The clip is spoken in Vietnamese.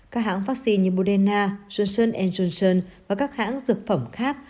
các hãng vaccine như moderna johnson johnson và các hãng dược phẩm khác